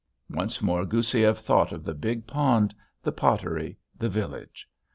Once more Goussiev thought of the big pond, the pottery, the village.